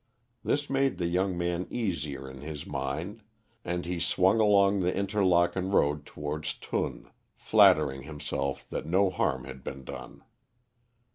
This made the young man easier in his mind, and he swung along the Interlaken road towards Thun, flattering himself that no harm had been done.